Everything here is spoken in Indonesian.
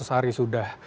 delapan ratus hari sudah